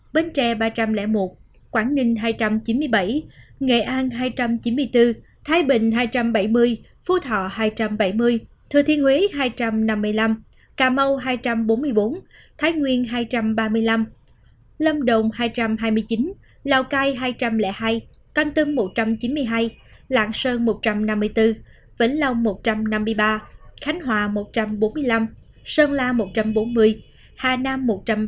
bến tre ba trăm linh một quảng ninh hai trăm chín mươi bảy nghệ an hai trăm chín mươi bốn thái bình hai trăm bảy mươi phú thọ hai trăm bảy mươi thừa thiên huế hai trăm năm mươi năm cà mau hai trăm bốn mươi bốn thái nguyên hai trăm ba mươi năm lâm đồng hai trăm hai mươi chín lào cai hai trăm linh hai canh tưng một trăm chín mươi hai lạng sơn một trăm năm mươi bốn vĩnh long một trăm năm mươi ba khánh hòa một trăm bốn mươi năm sơn la một trăm bốn mươi hà nam một trăm ba mươi bảy